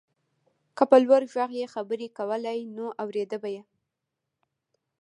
که په لوړ غږ يې خبرې کولای نو اورېده يې.